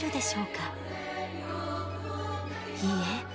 いいえ。